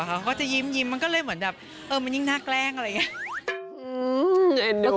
เขาก็จะยิ้มมันก็เลยเหมือนแบบเออมันยิ่งน่าแกล้งอะไรอย่างนี้